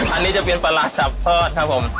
อันนี้จะเป็นปลาหลาดจับทอดครับผม